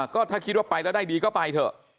ก็ถ้าคิดว่าไปแล้วได้ดีก็ไปเถอะ